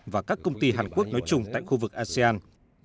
và các công ty hàn quốc nói chung tại khu vực asean